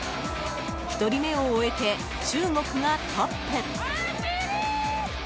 １人目を終えて、中国がトップ。